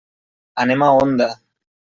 Anem a Onda.